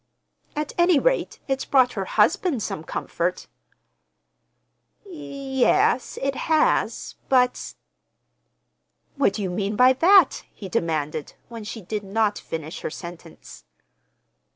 "At any rate, it's brought her husband some comfort." "Y yes, it has; but—" "What do you mean by that?" he demanded, when she did not finish her sentence.